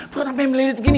perut sampai melidit begini